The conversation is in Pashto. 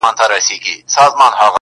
o د ميني ننداره ده، د مذهب خبره نه ده.